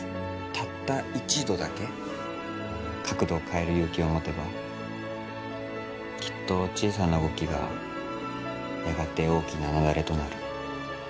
たった１度だけ角度を変える勇気を持てばきっと小さな動きがやがて大きな雪崩となる。